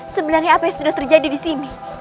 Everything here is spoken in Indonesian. sebenarnya apa yang sudah terjadi disini